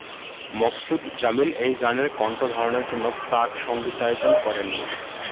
মকসুদ জামিল এই গানের কন্ঠ ধারণের জন্য প্রাক-সঙ্গীতায়োজন করেননি।